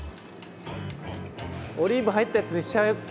オリーブ入ったやつにしちゃいます？